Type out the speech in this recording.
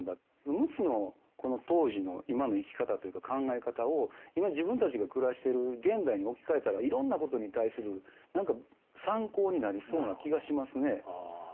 陸奥のこの当時の今の生き方というか考え方を今自分たちが暮らしてる現代に置き換えたらいろんなことに対する何か参考になりそうな気がしますね。